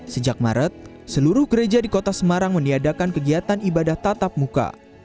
sejak maret seluruh gereja di kota semarang meniadakan kegiatan ibadah tatap muka